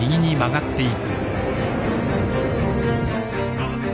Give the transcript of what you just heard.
あっ！